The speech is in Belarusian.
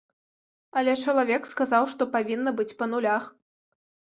Але чалавек сказаў, што павінна быць па нулях.